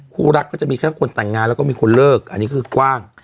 คู่รักก็จะมีแค่คนแต่งงานแล้วก็มีคนเลิกอันนี้คือกว้าง